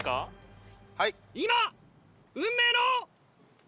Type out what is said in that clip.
今運命の。